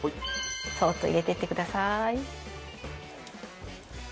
そーっと入れてってください。